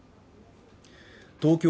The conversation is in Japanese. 東京